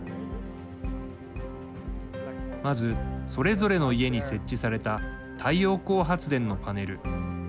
まず、それぞれの家に設置された太陽光発電のパネル。